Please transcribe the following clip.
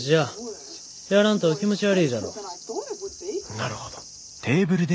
なるほど。